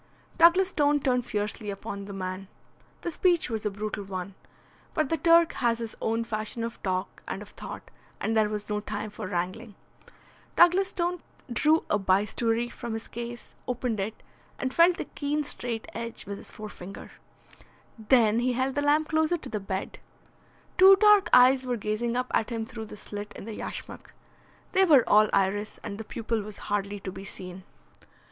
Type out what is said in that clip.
Douglas Stone turned fiercely upon the man. The speech was a brutal one. But the Turk has his own fashion of talk and of thought, and there was no time for wrangling. Douglas Stone drew a bistoury from his case, opened it and felt the keen straight edge with his forefinger. Then he held the lamp closer to the bed. Two dark eyes were gazing up at him through the slit in the yashmak. They were all iris, and the pupil was hardly to be seen.